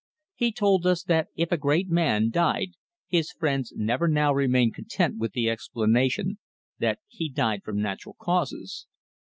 He told us that if a great man died his friends never now remained content with the explanation that he died from natural causes.